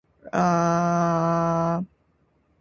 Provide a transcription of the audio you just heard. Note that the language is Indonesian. anak-anak itu menggali ubi jalar